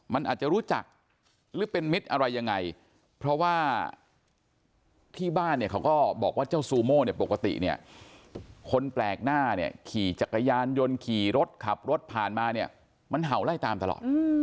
มันอาจจะรู้จักหรือเป็นมิตรอะไรยังไงเพราะว่าที่บ้านเนี่ยเขาก็บอกว่าเจ้าซูโม่เนี่ยปกติเนี่ยคนแปลกหน้าเนี่ยขี่จักรยานยนต์ขี่รถขับรถผ่านมาเนี่ยมันเห่าไล่ตามตลอด